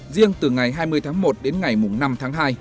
riêng từ ngày hai mươi tháng một đến ngày năm tháng hai